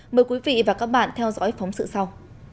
mời quý vị và các bạn theo dõi phóng sự sau